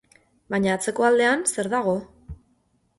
Baina atzeko aldean, zer dago?